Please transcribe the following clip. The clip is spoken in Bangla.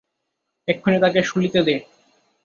এক্ষুণি তাকে শূলিতে দে।